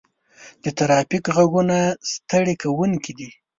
د ترافیک غږونه ستړي کوونکي دي.